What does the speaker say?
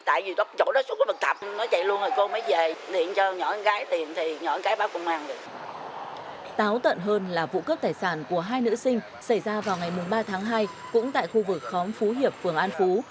táo tận hơn là vụ cướp tài sản của hai nữ sinh xảy ra vào ngày ba tháng hai cũng tại khu vực khóm phú hiệp phường an phú